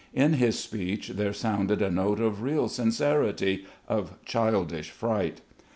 In his speech there sounded a note of real sincerity, of childish fright.